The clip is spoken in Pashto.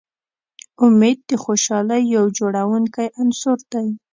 امید د خوشحالۍ یو جوړوونکی عنصر دی.